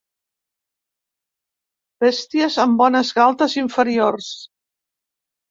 Bèsties amb bones galtes inferiors.